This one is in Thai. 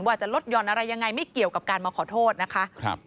ว่าจะลดห่อนอะไรยังไงไม่เกี่ยวกับการมาขอโทษนะคะ